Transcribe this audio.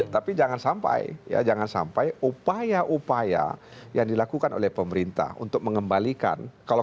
tapi jangan sampai ya jangan sampai upaya upaya yang dilakukan oleh pemerintah untuk mengembalikan kalau